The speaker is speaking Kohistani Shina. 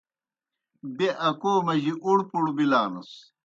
بیْہ اکو مجی اُڑ پُڑ بِلانَس۔